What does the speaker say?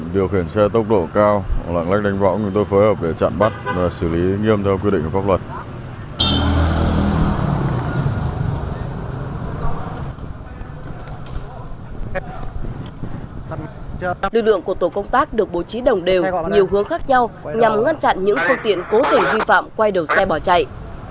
lực lượng của tổ công tác được bố trí đồng đều nhiều hướng khác nhau nhằm ngăn chặn những phương tiện cố tình vi phạm quay đầu xe bỏ chạy